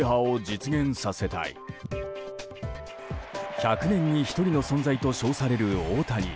１００年に１人の存在と称される大谷。